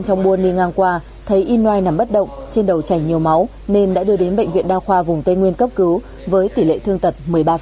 khi đi inoai nằm bất động trên đầu chảy nhiều máu nên đã đưa đến bệnh viện đa khoa vùng tây nguyên cấp cứu với tỷ lệ thương tật một mươi ba